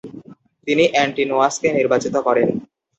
তিনি অ্যান্টিনোয়াসকে নির্বাচন করেন।